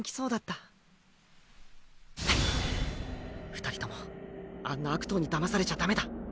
二人ともあんな悪党にだまされちゃダメだ。